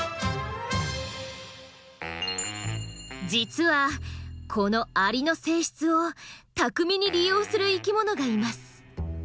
実はこのアリの性質を巧みに利用する生きものがいます。